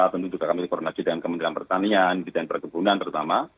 tentu juga kami koordinasi dengan kementerian pertanian bidang perkebunan terutama